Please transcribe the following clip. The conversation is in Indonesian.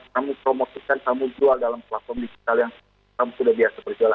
kamu promosikan kamu jual dalam platform digital yang kamu sudah biasa perjualan